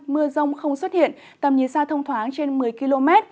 mưa rông không xuất hiện tầm nhìn xa thông thoáng trên một mươi km